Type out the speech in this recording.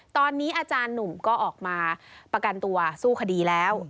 ตอนนี้อาจารย์หนุ่มก็ออกมาประกันตัวสู้คดีแล้ว